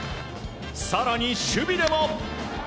更に守備でも。